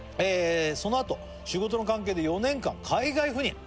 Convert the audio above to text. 「そのあと仕事の関係で４年間海外赴任」